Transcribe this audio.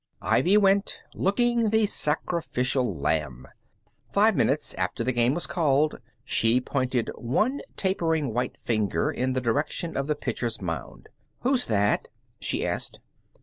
Ivy went, looking the sacrificial lamb. Five minutes after the game was called she pointed one tapering white finger in the direction of the pitcher's mound. "Who's that?" she asked.